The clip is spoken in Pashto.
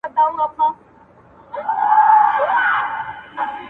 • موږ ګناه کار یو چي مو ستا منله..